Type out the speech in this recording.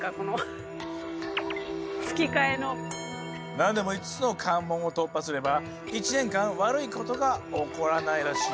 何でも５つの関門を突破すれば一年間悪いことが起こらないらしい。